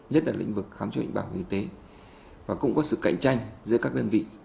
nhất là lĩnh vực khám chữa bệnh bảo hiểm y tế và cũng có sự cạnh tranh giữa các đơn vị